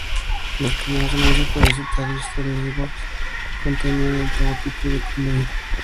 Los primeros anuncios publicitarios de "The Neighbors" contenían el logotipo de Comedy.